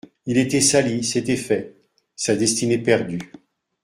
Il était sali, c'était fait ; sa destinée perdue.